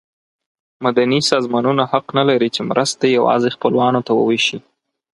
مدني سازمانونه حق نه لري چې مرستې یوازې خپلوانو ته وویشي.